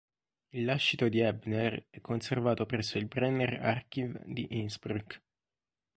Il lascito di Ebner è conservato presso il Brenner-Archiv di Innsbruck.